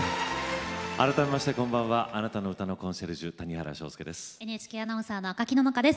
改めましてあなたの歌のコンシェルジュ谷原章介です。